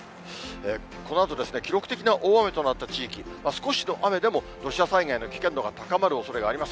このあと、記録的な大雨となった地域、少しの雨でも土砂災害の危険度が高まるおそれがあります。